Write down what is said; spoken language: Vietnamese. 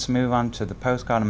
đang sống ở xa tổ quốc